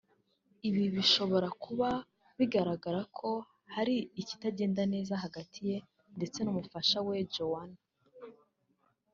Ibi bishobora kuba bigaragara ko hari ikitagenda neza hagati ye ndetse n’ umufasha we Joannah